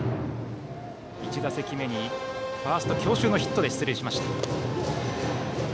１打席目にファースト強襲のヒットで出塁しました。